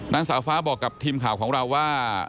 นางสาวฟ้าบอกกับทีมข่าวของเราว่า